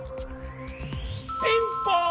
ピンポン！